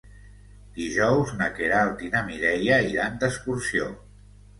Dijous na Queralt i na Mireia iran d'excursió.